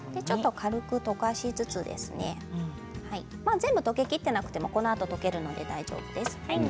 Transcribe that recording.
軽く溶かしつつ全部溶けきっていなくてもこのあと溶けるので大丈夫です。